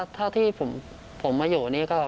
ถ้าที่ผมมาอยู่นี้ก็